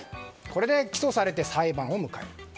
これで起訴されて裁判を迎える。